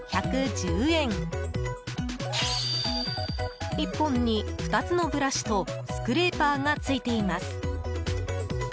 １本に２つのブラシとスクレーパーがついています。